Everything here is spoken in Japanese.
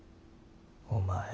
お前。